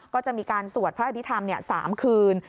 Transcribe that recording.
ก็จะมีการสวดพระอภิษฐรรม๓คืน